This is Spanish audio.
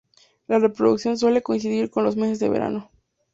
La reproducción suele coincidir con los meses de verano.